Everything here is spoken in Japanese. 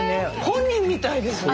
本人みたいですね。